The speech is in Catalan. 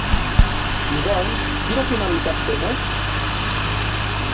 I doncs, quina finalitat tenen?